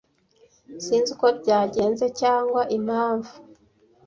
Sinzi uko byagenze cyangwa impamvu.